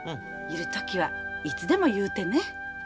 いる時はいつでも言うてね。